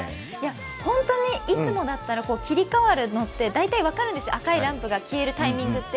本当に、いつもだったら切り替わるのって大体分かるんですよ、赤いランプが消えるタイミングって。